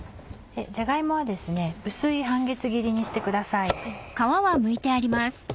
じゃが芋は薄い半月切りにしてください。